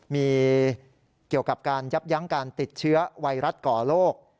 มีเกี่ยวกับการยับยั้งการติดเชื้อไวรัสก่อโรค